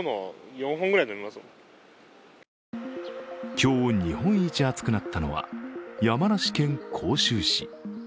今日、日本一暑くなったのは山梨県甲州市。